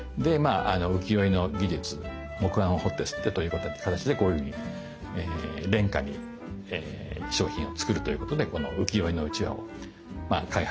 浮世絵の技術木版を彫って摺ってという形でこういうふうに廉価に商品を作るということで浮世絵のうちわを開発したようです。